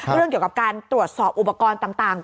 เรื่องเกี่ยวกับการตรวจสอบอุปกรณ์ต่าง